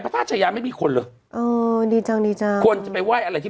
ท่าชายาไม่มีคนเหรออ๋อดีจังดีจังคนจะไปไหว้อะไรที่